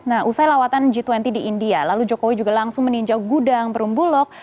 nah usai lawatan g dua puluh di india lalu jokowi juga langsung meninjau gudang perumbulok